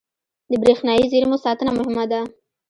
• د برېښنايي زېرمو ساتنه مهمه ده.